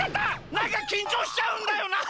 なんかきんちょうしちゃうんだよなあ。